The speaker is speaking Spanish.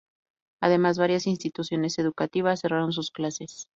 Además varias instituciones educativas cerraron sus clases.